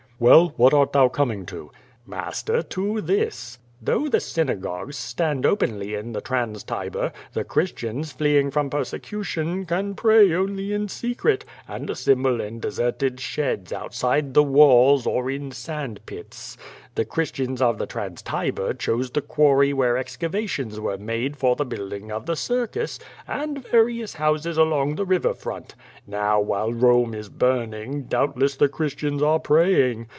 "Well, what art thou coming to?" "Master, to this. Though the synagogues stand openly in the Trans Tiber, the Christians, fleeing from jiersecution, can pray only in secret, and assemble in deserted shedsoutsidc the walls, or in sand pits. The Christians of the Trans Tiber chose the quarry whence excavations were made for the building of the circus, and various houses along the river front. Now, while Home is burning, doubtless the Chris tians are praying.